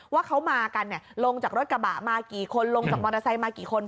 ว่าเขามากันลงจากรถกระบะมากี่คนลงจากมอเตอร์ไซค์มากี่คน